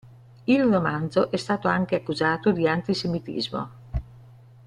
Il romanzo è stato anche accusato di antisemitismo.